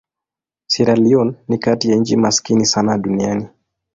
Sierra Leone ni kati ya nchi maskini sana duniani.